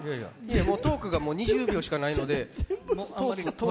トークがもう２０秒しかないので。